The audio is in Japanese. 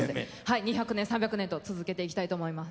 ２００年、３００年と続けていきたいと思います。